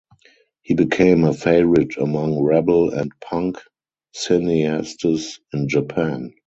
He became a favorite among rebel and punk cineastes in Japan.